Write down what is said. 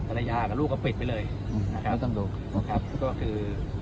อะไรยากลูกก็ปิดไปเลยนะครับก็คือ